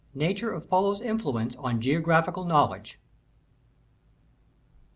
Nature of Polo's Influence on Geographical Knowledge.